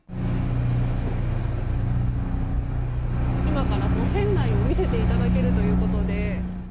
今から船内を見せていただけるということで。